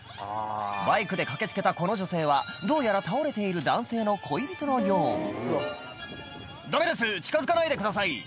バイクで駆け付けたこの女性はどうやら倒れている男性の恋人のよう「ダメです近づかないでください」